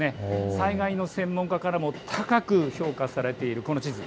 災害の専門家からも高く評価されているこの地図。